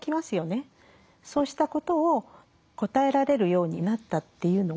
そうしたことを答えられるようになったっていうのが大きいと思います。